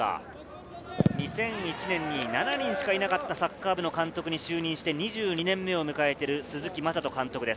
２００１年、７人しかいなかったサッカー部の監督に就任して２２年目を迎えている鈴木雅人監督です。